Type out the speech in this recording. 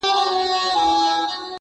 چي په تبر دي چپه په یوه آن کي.!